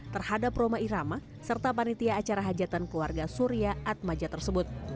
terhadap roma irama serta panitia acara hajatan keluarga surya atmaja tersebut